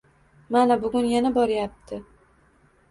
Mana bugun yana boryapti.